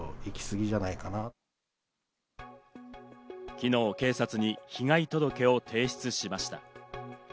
昨日、警察に被害届を提出しました。